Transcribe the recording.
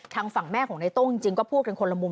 ทางฝั่งแม่ของในโต้งจริงก็พูดกันคนละมุม